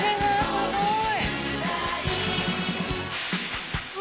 すごい」